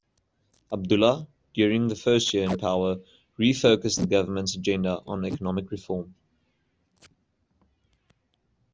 Abdullah, during the first year in power, refocused the government's agenda on economic reform.